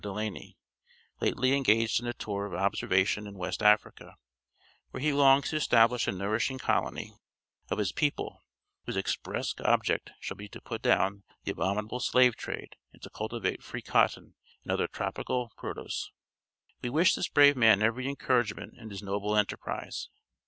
Delany, lately engaged in a tour of observation in West Africa, where he longs to establish a nourishing colony of his people, whose express object shall be to put down the abominable Slave trade and to cultivate free cotton and other tropical produce. We wish this brave man every encouragement in his noble enterprise.